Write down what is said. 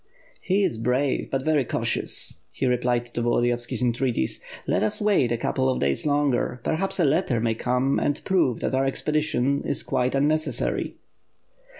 "He is brave, but very cautious," he replied to Volodiyov ski's entreaties, 'let us wait a couple of days longer; perhaps a letter may come and prove that our expedition is quite un necessary."